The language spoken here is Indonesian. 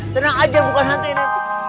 tenang aja bukan hantu nanti